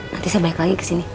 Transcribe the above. nanti saya balik lagi ke sini